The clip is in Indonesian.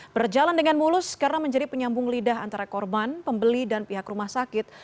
berjalan dengan mulus karena menjadi penyambung lidah antara korban pembeli dan pihak rumah sakit